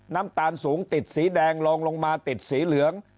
น้ำตาลสูงติดสีแดงลองลงมาติดสีเหลือง